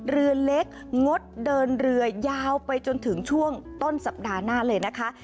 เรือเล็กงดเดินเรือยาวไปจนถึงช่วงต้นสัปดาห์หน้าเลยนะคะ